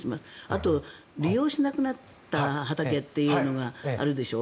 あと利用しなくなった畑というのがあるでしょ。